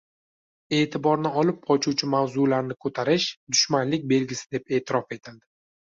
e’tiborni olib qochuvchi mavzularni ko‘tarish dushmanlik belgisi deb e’tirof etildi.